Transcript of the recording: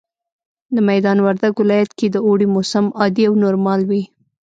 د ميدان وردګ ولايت کي د اوړي موسم عادي او نورمال وي